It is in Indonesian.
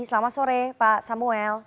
selamat sore pak samuel